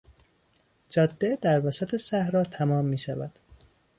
جاده در وسط صحرا تمام میشود.